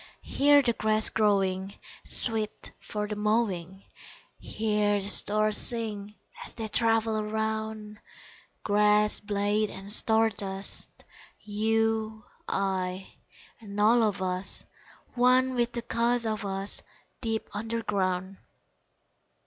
Hear the grass growing Sweet for the mowing; Hear the stars sing As they travel around Grass blade and star dust, You, I, and all of us, One with the cause of us, Deep underground!